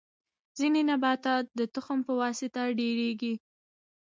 ځینې نباتات د تخم په واسطه ډیریږي